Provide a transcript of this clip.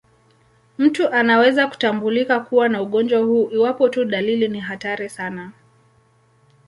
Mtu anaweza kutambulika kuwa na ugonjwa huu iwapo tu dalili ni hatari sana.